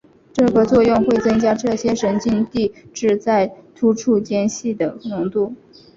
这个作用会增加这些神经递质在突触间隙的浓度。